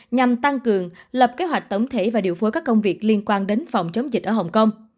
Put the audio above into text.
nhằm tăng cường lập kế hoạch tổng thể và điều phối các công việc liên quan đến phòng chống dịch ở hồng kông